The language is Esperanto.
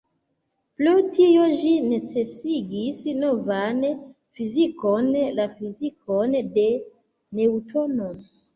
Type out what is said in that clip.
Pro tio, ĝi necesigis novan fizikon, la fizikon de Neŭtono.